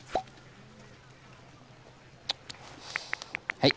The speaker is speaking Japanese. はい。